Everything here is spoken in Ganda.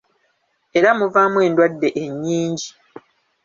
Era muvaamu endwadde ennyingi.